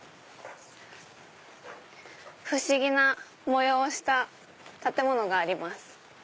不思議な模様をした建物があります。